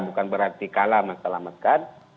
bukan berarti kalah mas selamat kan